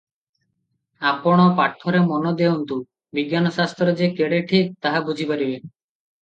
ଆପଣ ପାଠରେ ମନ ଦେଉନ୍ତୁ, ବିଜ୍ଞାନଶାସ୍ତ୍ର ଯେ କେଡ଼େ ଠିକ୍, ତାହା ବୁଝିପାରିବେ ।